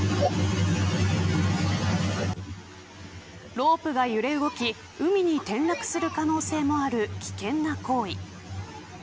ロープが揺れ動き海に転落する可能性もある危険な行為。